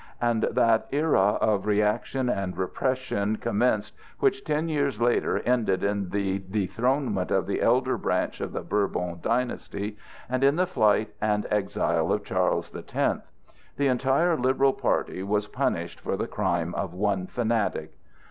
And that era of reaction and repression commenced which ten years later ended in the dethronement of the elder branch of the Bourbon dynasty and in the flight and exile of Charles the Tenth. The entire liberal party was punished for the crime of one fanatic.